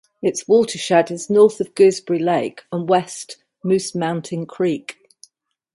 Its watershed is north of Gooseberry Lake and west Moose Mountain Creek.